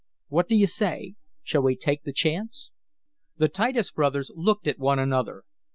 What do you say? Shall we take the chance?" The Titus brothers looked at one another.